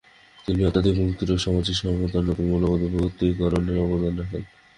তিনি আধ্যাত্মিক মুক্তির ও সামাজিক সমতার নতুন মূল্যবোধ বর্ধিতকরণে অবদান রাখেন।